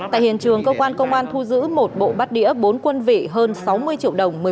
tại hiện trường cơ quan công an thu giữ một bộ bát đĩa bốn quân vị hơn sáu mươi triệu đồng